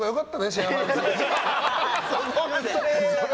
シェアハウス。